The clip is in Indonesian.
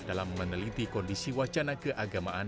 dalam meneliti kondisi wacana keagamaan